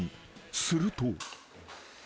すると］